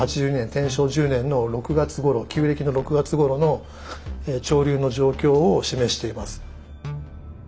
天正１０年の６月頃旧暦の６月頃の潮流の状況を示しています。